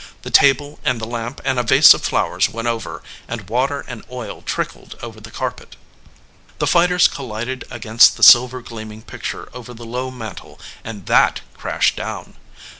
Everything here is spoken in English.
The table and the lamp and a vase of flowers went over, and water and oil trickled over the carpet. The fighters collided against the silver gleaming picture over the low mantel, and that crashed down.